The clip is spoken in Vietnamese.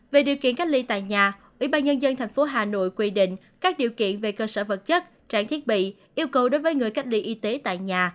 về điều kiện cách ly tại nhà ủy ban nhân dân tp hà nội quy định các điều kiện về cơ sở vật chất trang thiết bị yêu cầu đối với người cách ly y tế tại nhà